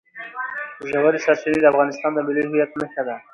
ژورې سرچینې د افغانستان د ملي هویت نښه ده.